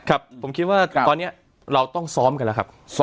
ครับผมคิดว่าตอนนี้เราต้องซ้อมกันแล้วครับ